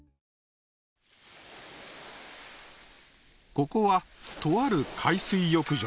ここはとある海水浴場。